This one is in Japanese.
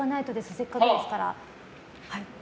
せっかくですから。